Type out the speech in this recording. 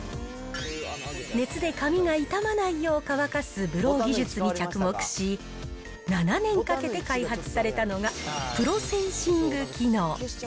熱で髪が傷まないよう乾かすブロー技術に着目し、７年かけて開発されたのが、プロセンシング機能。